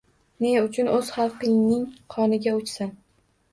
Nechun oʼz xalqingning qoniga oʼchsan!